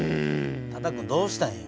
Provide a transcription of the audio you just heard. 多田君どうしたんや？